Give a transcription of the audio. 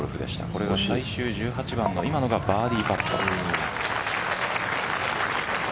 これが最終１８番のバーディーパー。